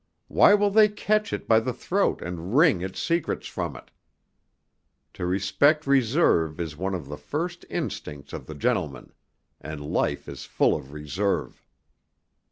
Why will they catch it by the throat and wring its secrets from it? To respect reserve is one of the first instincts of the gentleman; and life is full of reserve.